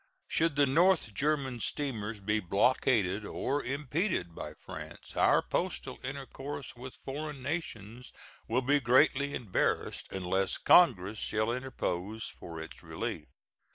Should the North German steamers be blockaded or impeded by France, our postal intercourse with foreign nations will be greatly embarrassed unless Congress shall interpose for its relief.